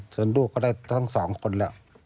ส่วนลูกก็ได้ทั้งสองคนแล้ว